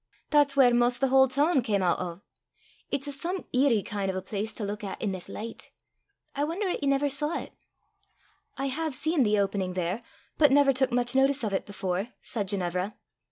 That's whaur 'maist the haill toon cam oot o'. It's a some eerie kin' o' a place to luik at i' this licht. I won'er at ye never saw 't." "I have seen the opening there, but never took much notice of it before," said Ginevra.